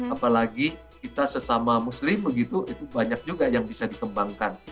apalagi kita sesama muslim begitu itu banyak juga yang bisa dikembangkan